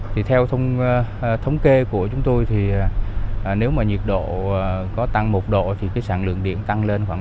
thì theo thống kê của chúng tôi thì nếu mà nhiệt độ có tăng một độ thì cái sản lượng điện tăng lên khoảng